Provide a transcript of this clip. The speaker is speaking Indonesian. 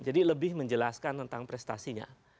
jadi lebih menjelaskan tentang prestasinya